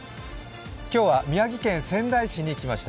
今日は宮城県仙台市に来ました。